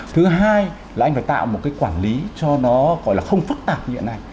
thứ hai là anh phải tạo một cái quản lý cho nó gọi là không phức tạp như hiện nay